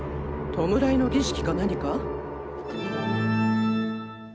弔いの儀式か何か？